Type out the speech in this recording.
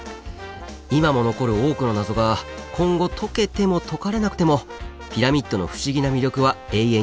今も残る多くの謎が今後解けても解かれなくてもピラミッドの不思議な魅力は永遠に失われることはない！